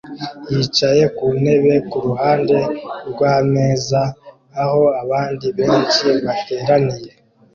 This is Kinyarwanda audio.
yicaye kuntebe kuruhande rwameza aho abandi benshi bateraniye